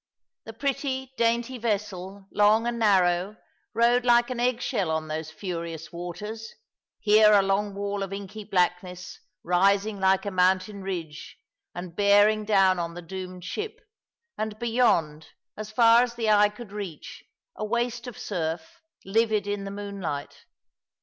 The pretty, dainty vessel, long and narrow, rode like an eggshell on those furions waters — here a long wall of inky blackness, rising like a mountain ridge, and bearing down on the doomed ship, and beyond, as far as the eye could reach, a waste of surf, livid in the moonlight.